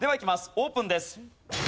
オープンです。